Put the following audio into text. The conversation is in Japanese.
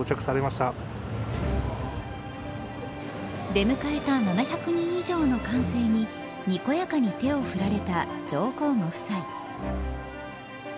出迎えた７００人以上の歓声ににこやかに手を振られた上皇ご夫妻。